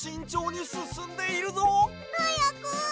はやく！